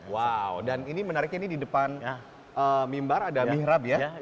wow dan ini menariknya ini di depan mimbar ada mihrab ya